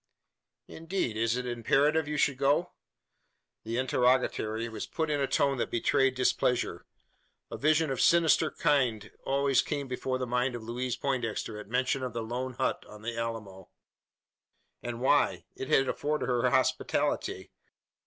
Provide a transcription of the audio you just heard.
"Indeed! Is it imperative you should go?" The interrogatory was put in a tone that betrayed displeasure. A vision of a sinister kind always came before the mind of Louise Poindexter at mention of the lone hut on the Alamo. And why? It had afforded her hospitality.